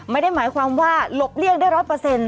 ไม่ได้หมายความว่าหลบเลี่ยงได้ร้อยเปอร์เซ็นต์